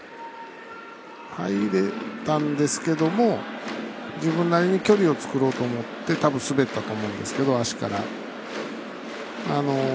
入れたんですけども自分なりに距離を作ろうと思ってたぶん滑ったと思うんですけど足から。